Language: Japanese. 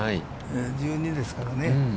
１２ですからね。